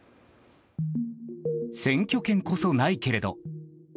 選挙権こそないけれど。